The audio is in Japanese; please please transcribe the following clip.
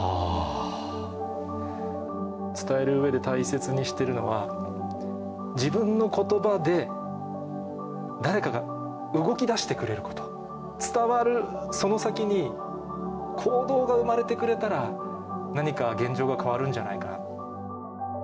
伝えるうえで大切にしているのは、自分のことばで誰かが動きだしてくれること、伝わるその先に、行動が生まれてくれたら、何か現状が変わるんじゃないかな。